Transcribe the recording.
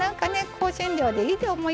香辛料でいいと思います。